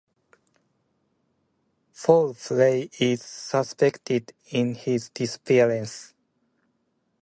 Foul play is suspected in her disappearance.